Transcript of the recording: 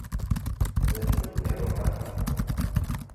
D acu i m-iruḥen?